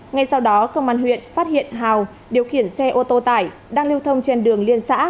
ngay sau đó công an huyện phát hiện hào điều khiển xe ô tô tải đang lưu thông trên đường liên xã